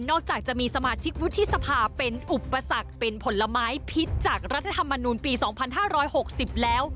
จากจะมีสมาชิกวุฒิสภาเป็นอุปสรรคเป็นผลไม้พิษจากรัฐธรรมนูลปี๒๕๖๐แล้ว